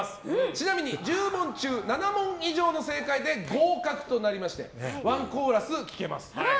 ちなみに１０問中７問以上の正解で合格となりましてワンコーラス聴けます。